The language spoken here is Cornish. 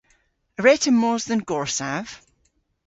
A wre'ta mos dhe'n gorsav?